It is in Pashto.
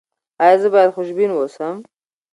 ایا زه باید خوشبین اوسم؟